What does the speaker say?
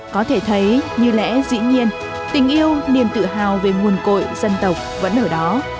có thể thấy như lẽ dĩ nhiên tình yêu niềm tự hào về nguồn cội dân tộc vẫn ở đó